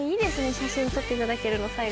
写真撮っていただけるの最後。